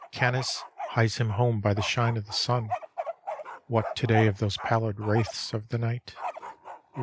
Oanice hies him home by the shine of the sun. "What to day of those pallid wraiths of the night?